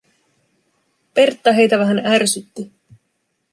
Pertta heitä vähän ärsytti.